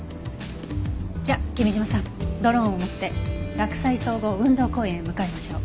じゃあ君嶋さんドローンを持って洛西総合運動公園へ向かいましょう。